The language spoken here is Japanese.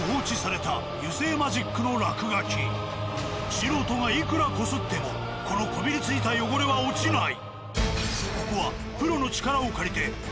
素人がいくらこすってもこのこびりついた汚れは落ちない。